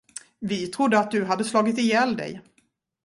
Vi trodde, att du hade slagit ihjäl dig.